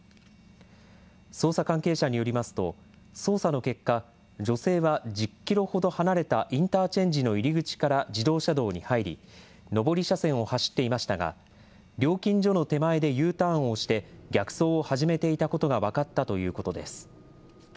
捜査関係者によりますと、捜査の結果、女性は１０キロほど離れたインターチェンジの入り口から自動車道に入り、上り車線を走っていましたが、料金所の手前でＵターンをして逆走を始めていたことが分かったということです。